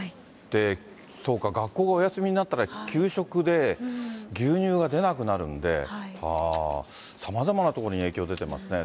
そうか、学校がお休みになったら、給食で牛乳が出なくなるんで、ああ、さまざまな所に影響出てますね。